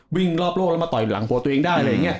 วิ่งรอบโลกแล้วกันมาต่อยหลังบัวตัวเองได้